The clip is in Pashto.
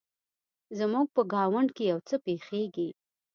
زموږ په ګاونډ کې يو څه پیښیږي